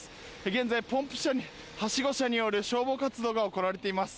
現在、はしご車による消防活動が行われています。